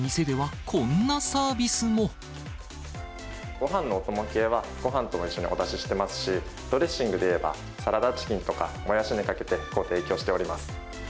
ごはんのお供系は、ごはんと一緒にお出ししてますし、ドレッシングでいえば、サラダチキンとか、もやしにかけてご提供しております。